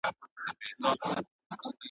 خاطرې په یاد لیکلی دی .